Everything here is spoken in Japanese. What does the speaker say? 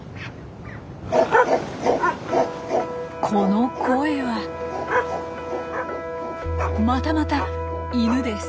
・この声はまたまたイヌです！